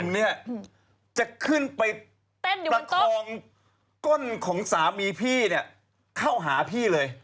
เนี่ยจะขึ้นไปประคองก้นของสามีพี่เนี่ยเข้าหาพี่เลย